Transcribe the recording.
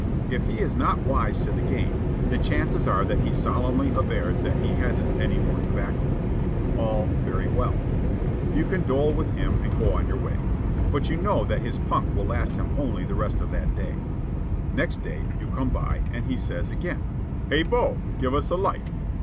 If he is not wise to the game, the chances are that he solemnly avers that he hasn't any more tobacco. All very well. You condole with him and go your way. But you know that his punk will last him only the rest of that day. Next day you come by, and he says again, "Hey, Bo, give us a light."